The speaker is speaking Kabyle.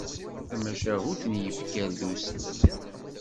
Tamacahut n yifker d uslem.